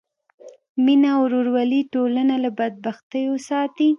مینه او ورورولي ټولنه له بدبختیو ساتي.